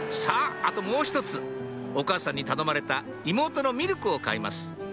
あともう１つお母さんに頼まれた妹のミルクを買います